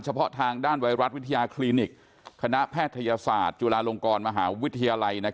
เฉพาะทางด้านไวรัสวิทยาคลินิกคณะแพทยศาสตร์จุฬาลงกรมหาวิทยาลัย